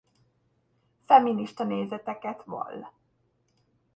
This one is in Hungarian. Feminista nézeteket vall.